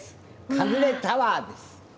カヌレタワーです。